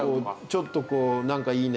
ちょっとこうなんか「いいね」